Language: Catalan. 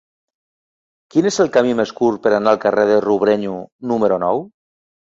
Quin és el camí més curt per anar al carrer de Robrenyo número nou?